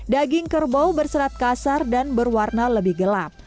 daging kerbau berserat kasar dan berwarna lebih gelap